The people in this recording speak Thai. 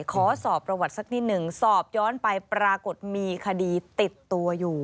ขอสอบประวัติสักนิดหนึ่งสอบย้อนไปปรากฏมีคดีติดตัวอยู่